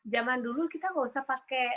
zaman dulu kita nggak usah pakai